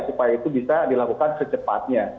supaya itu bisa dilakukan secepatnya